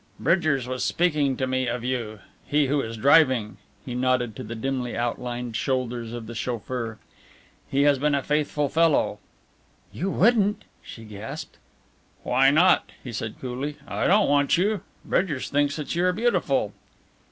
"Bridgers was speaking to me of you. He who is driving." He nodded to the dimly outlined shoulders of the chauffeur. "He has been a faithful fellow " "You wouldn't?" she gasped. "Why not?" he said coolly. "I don't want you. Bridgers thinks that you are beautiful."